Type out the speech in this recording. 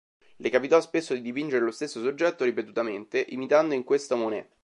Le capitò spesso di dipingere lo stesso soggetto ripetutamente, imitando in questo Monet.